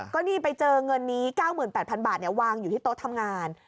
ก็นี่ไปเจอเงินนี้๙๘๐๐๐บาทวางอยู่ที่โต๊ะทำงาน